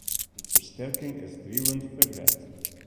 Fan fersterking is driuwend ferlet.